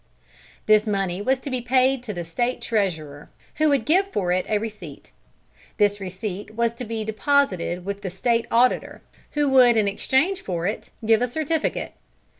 This money was to be paid to the State Treasurer, who would give for it a receipt. This receipt was to be deposited with the State Auditor, who would in exchange for it give a certificate.